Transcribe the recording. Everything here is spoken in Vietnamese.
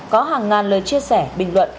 có hàng ngàn lời chia sẻ bình luận